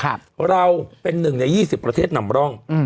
เพราะเราเป็นหนึ่งใน๒๐ประเทศหนำร่อง